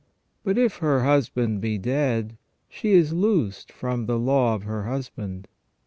But if her husband be dead, she is loosed from the law of her husband.